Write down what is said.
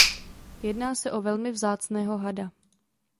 Jedná se o velmi vzácného hada.